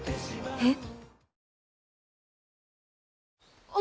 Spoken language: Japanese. えっ？